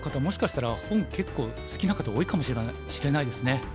もしかしたら本結構好きな方多いかもしれないですね。